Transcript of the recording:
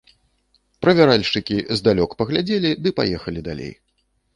Правяральшчыкі здалёк паглядзелі ды паехалі далей.